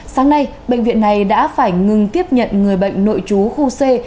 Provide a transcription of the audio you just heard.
sáng nay bệnh viện này đã phải ngừng tiếp nhận người bệnh nội trú khu c